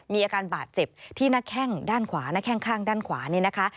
มีอาการบาดเจ็บที่หน้าแข้งด้านขวาหน้าแข้งข้างด้านขวานี่นะคะ